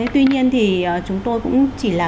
tuy nhiên thì chúng tôi cũng chỉ là